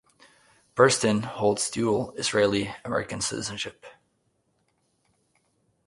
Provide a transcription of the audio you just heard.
Burstyn holds dual Israeli-American citizenship.